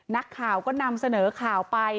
นักข่าวก็นำเสนอข่าวไป